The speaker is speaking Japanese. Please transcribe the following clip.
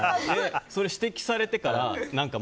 それ指摘されてから何か